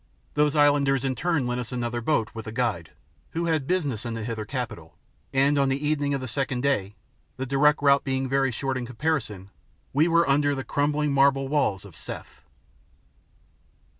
Those islanders in turn lent us another boat, with a guide, who had business in the Hither capital, and on the evening of the second day, the direct route being very short in comparison, we were under the crumbling marble walls of Seth.